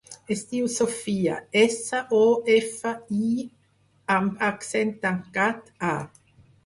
Es diu Sofía: essa, o, efa, i amb accent tancat, a.